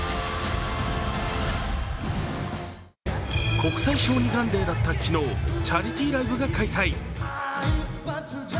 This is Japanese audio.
国際小児がんデーだった昨日、チャリティーライブが開催。